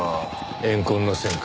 怨恨の線か。